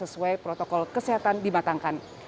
kemudian diperbolehkan untuk mengambil uang untuk menjaga keamanan